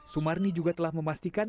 sumarni juga telah memastikan